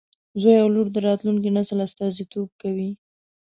زوی او لور د راتلونکي نسل استازیتوب کوي.